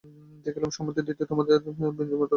দেখিলাম সম্মতি দিতে তোমার তিলমাত্র বিলম্ব হইল না।